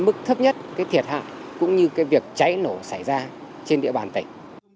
mức thấp nhất cái thiệt hại cũng như cái việc cháy nổ xảy ra trên địa bàn tỉnh